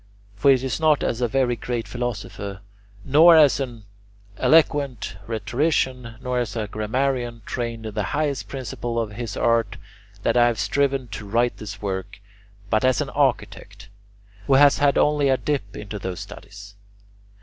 For it is not as a very great philosopher, nor as an eloquent rhetorician, nor as a grammarian trained in the highest principles of his art, that I have striven to write this work, but as an architect who has had only a dip into those studies.